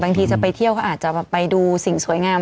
บางทีจะไปเที่ยวเขาอาจจะไปดูสิ่งสวยงาม